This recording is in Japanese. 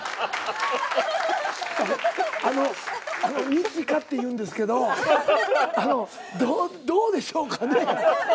二千翔っていうんですけどどうでしょうかね？